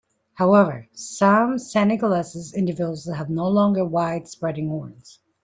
However, some Senegalese individuals have longer and wide-spreading horns.